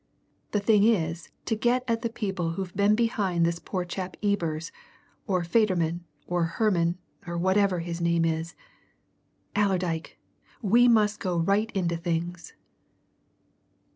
The thing is to get at the people who've been behind this poor chap Ebers, or Federman, or Herman, or whatever his name is. Allerdyke! we must go right into things."